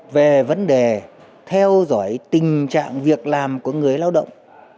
về vấn đề theo dõi tình trạng việc làm của người lao động